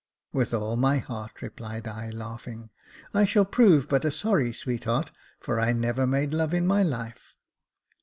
"With all my heart," replied I, laughing. "I shall prove but a sorry sweetheart, for I never made love in my life."